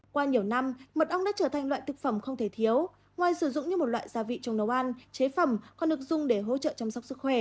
qua nhiều năm mật ong đã trở thành loại thực phẩm không thể thiếu ngoài sử dụng như một loại gia vị trong nấu ăn chế phẩm còn được dùng để hỗ trợ chăm sóc sức khỏe